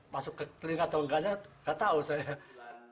masuk ke kling atau enggaknya gak tahu saya